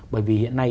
bởi vì hiện nay